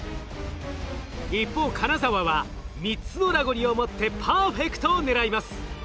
一方金沢は３つのラゴリを持ってパーフェクトを狙います。